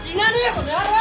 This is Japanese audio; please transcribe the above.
この野郎！